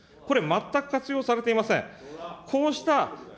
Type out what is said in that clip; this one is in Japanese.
これ、全く活用されていません。